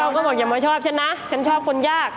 อ๋อเขาคิดว่าเราตายจริงครับ